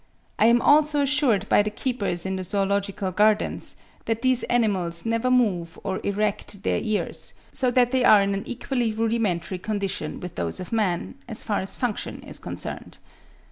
I am also assured by the keepers in the Zoological Gardens that these animals never move or erect their ears; so that they are in an equally rudimentary condition with those of man, as far as function is concerned.